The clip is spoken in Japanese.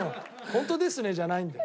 「本当ですね？」じゃないんだよ。